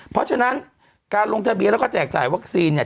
เพราะฉะนั้นการลงทะเบียนแล้วก็แจกจ่ายวัคซีนเนี่ย